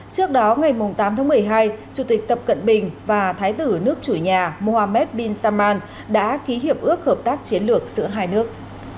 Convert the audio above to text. trước đó ngày tám tháng một mươi hai chủ tịch tập cận bình và thái tử nước chủ nhà mohammed bin salman đã ký hiệp ước hợp tác chiến lược giữa hai nước